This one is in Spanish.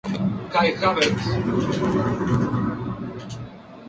Aunque tienen de mil metros de desnivel, destaca por su misterio, espectacularidad y colorido.